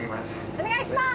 お願いします！